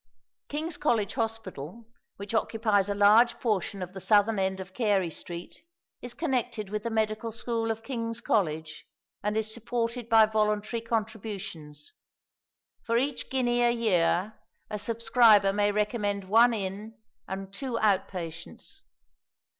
King's College Hospital, which occupies a large portion of the southern side of Carey Street, is connected with the medical school of King's College, and is supported by voluntary contributions. For each guinea a year a subscriber may recommend one in and two out patients.